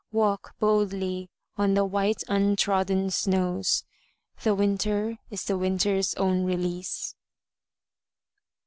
Walk boldly on the white untrodden snows, The winter is the winter's own release.